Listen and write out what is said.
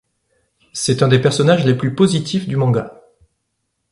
C'est un des personnages les plus positifs du manga.